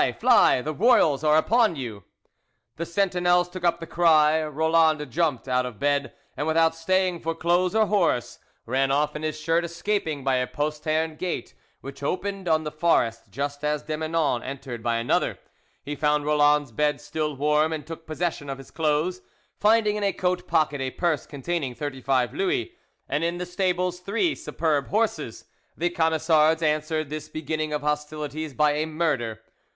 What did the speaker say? fly! The royals are upon you!" The sentinels took up the cry, Roland jumped out of bed, and, without staying for clothes or horse, ran off in his shirt, escaping by a postern gate which opened on the forest just as de Menon entered by another. He found Roland's bed still warm, and took possession of his clothes, finding in a coat pocket a purse containing thirty five Louis, and in the stables three superb horses. The Camisards answered this beginning of hostilities by a murder.